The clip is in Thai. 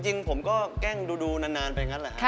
จริงผมก็แกล้งดูนานไปงั้นแหละครับ